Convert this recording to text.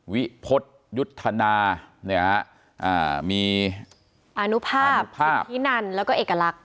วิพฤษยุทธนามีอนุภาพสิทธินันแล้วก็เอกลักษ